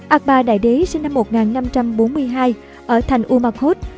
akbar đại đế sinh năm một nghìn năm trăm bốn mươi hai ở thành umakod